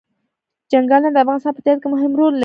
چنګلونه د افغانستان په طبیعت کې مهم رول لري.